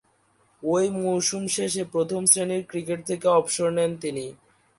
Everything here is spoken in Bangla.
ঐ মৌসুম শেষে প্রথম-শ্রেণীর ক্রিকেট থেকে অবসর নেন তিনি।